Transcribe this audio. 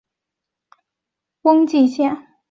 瓮津线